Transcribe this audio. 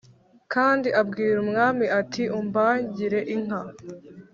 kandi abwira umwami ati « umbagire inka. »